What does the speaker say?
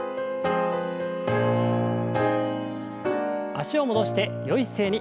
脚を戻してよい姿勢に。